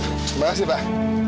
terima kasih pak